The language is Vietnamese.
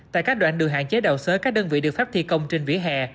tại các đoạn đường hạn chế đào sới các đơn vị được phép thi công trên vỉa hè